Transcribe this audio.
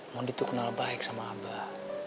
mondi tuh kenal baik sama abah